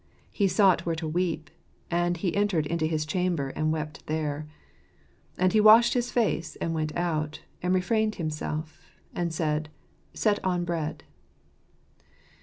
"He sought where to weep, and he entered into his chamber, and wept there. And he washed his face, and went out, and refrained himself; and said, Set on bread."